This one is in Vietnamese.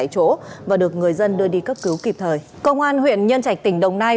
công an huyện nhân trạch tỉnh đồng nai